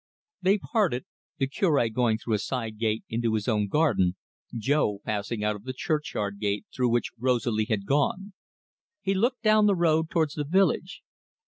They parted, the Cure going through a side gate into his own garden, Jo passing out of the churchyard gate through which Rosalie had gone. He looked down the road towards the village.